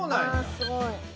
あすごい。